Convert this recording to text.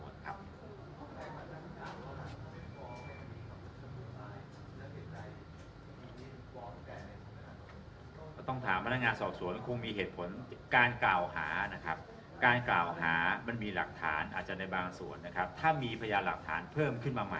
ต้องถามบ้างเหนือปกติงความพลังงานสอบโสดคงมีเหตุผลการกล่าวหานะครับการกล่าวหามันมีหลักฐานอาจจะในบางส่วนนะครับถ้ามีพญานหลักฐานเพิ่มขึ้นมา